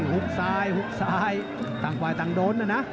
หุบซ้ายหุบซ้ายต่างฝ่ายต่างโดนนะนะ